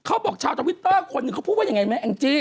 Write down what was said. เขาบอกชาวทวิตเตอร์คนหนึ่งเขาพูดว่ายังไงไหมแองจี้